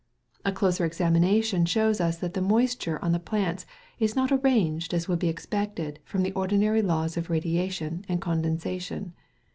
A closer examination shows us that the moisture on the plants is not arranged as would be expected from the ordinary laws of radiation and condensation.